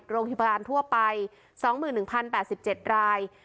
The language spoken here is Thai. โรงพยาบาลทั่วไป๒๑๐๘๗ราย